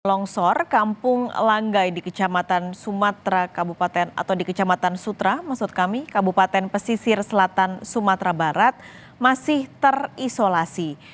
longsor kampung langgai di kecamatan sutra kabupaten pesisir selatan sumatera barat masih terisolasi